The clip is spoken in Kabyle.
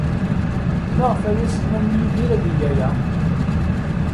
Maɣef ay as-nnan i Yidir ad yeg aya?